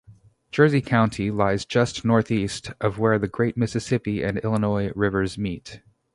Jersey County lies just northeast of where the great Mississippi and Illinois rivers meet.